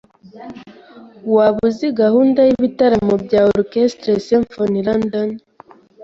Waba uzi gahunda y'ibitaramo bya Orchestre Symphony London?